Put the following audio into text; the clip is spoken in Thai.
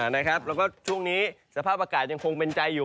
แล้วก็ช่วงนี้สภาพอากาศยังคงเป็นใจอยู่